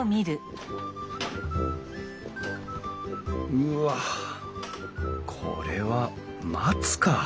うわこれは松か。